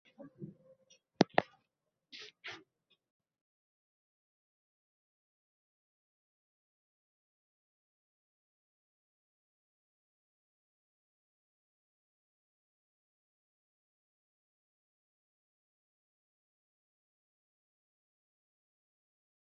এরপর আবার ঢাকনা দিয়ে মৃদু আঁচে পাঁচ মিনিট রেখে নামিয়ে আনতে হবে।